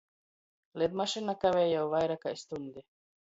Lidmašyna kavej jau vaira kai stuņdi.